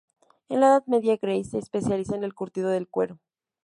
En la Edad Media, Grasse se especializa en el curtido del cuero.